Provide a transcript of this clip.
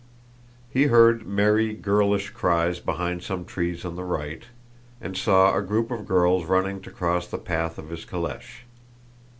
He heard merry girlish cries behind some trees on the right and saw a group of girls running to cross the path of his calèche.